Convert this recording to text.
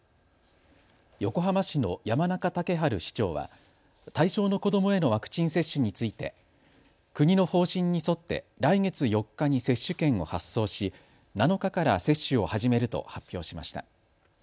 横浜市の山中竹春市長は対象の子どもへのワクチン接種について国の方針に沿って来月４日に接種券を発送し７日から接種を始めると発表しました。